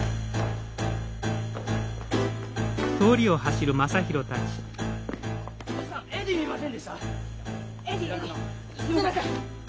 すいません。